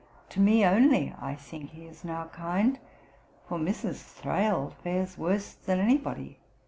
To me only I think he is now kind, for Mrs. Thrale fares worse than anybody.'